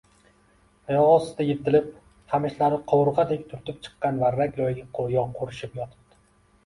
Oyog‘i ostida yirtilib, qamishlari qovurg‘adek turtib chiqqan varrak loyga qo‘rishib yotibdi.